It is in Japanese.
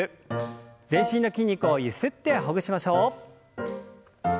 全身の筋肉をゆすってほぐしましょう。